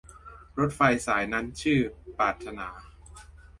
รถไฟสายนั้นชื่อปรารถนา